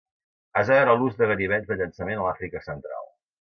Es va veure l"ús de ganivets de llançament a l'Àfrica central.